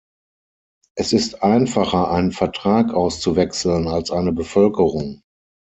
Es ist einfacher, einen Vertrag auszuwechseln, als eine Bevölkerung.